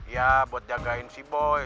ya buat jagain sea boy